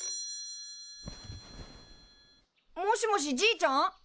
☎もしもしじいちゃん？